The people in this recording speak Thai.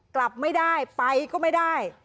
กลับไม่ได้ไปก็ไม่ได้